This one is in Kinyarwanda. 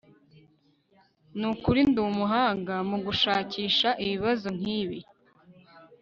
nukuri ndumuhanga mugushakisha ibibazo nkibi